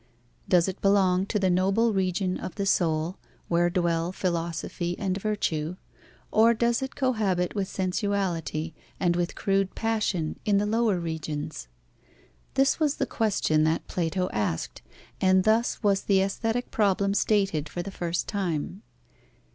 Does it belong to the noble region of the soul, where dwell philosophy and virtue, or does it cohabit with sensuality and with crude passion in the lower regions? This was the question that Plato asked, and thus was the aesthetic problem stated for the first time.